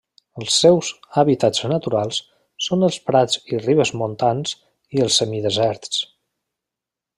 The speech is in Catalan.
Els seus hàbitats naturals són els prats i ribes montans i els semideserts.